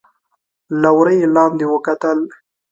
له وره يې لاندې وکتل.